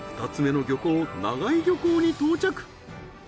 ２つ目の漁港長井漁港に到着。